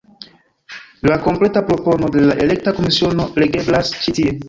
La kompleta propono de la elekta komisiono legeblas ĉi tie.